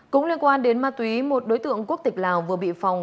cũng liên quan đến ma túy một đối tượng quốc tịch lào vừa bị phòng